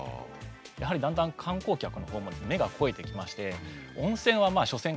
やはりだんだん観光客のほうも目が肥えてきまして。